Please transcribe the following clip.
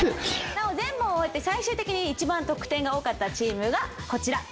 なお全問終えて最終的に一番得点が多かったチームがこちら。